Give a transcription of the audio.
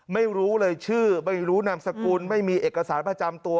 ไม่รู้เลยชื่อไม่รู้นามสกุลไม่มีเอกสารประจำตัว